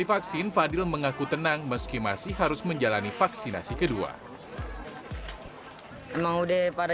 vaksin fadil mengaku tenang meski masih harus menjalani vaksinasi kedua memang udah pada